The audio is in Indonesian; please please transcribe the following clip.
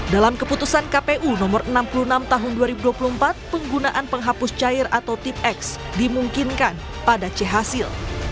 dalam keputusan kpu nomor enam puluh enam tahun dua ribu dua puluh empat penggunaan penghapus cair atau tip x dimungkinkan pada chasil